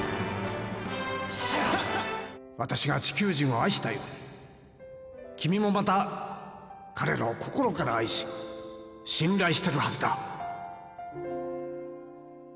私が地球人を愛したように君もまた彼らを心から愛し信頼してるはずだ。